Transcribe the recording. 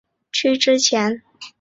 区之前。